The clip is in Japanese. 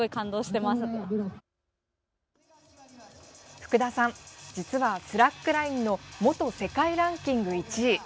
福田さん、実はスラックラインの元世界ランキング１位。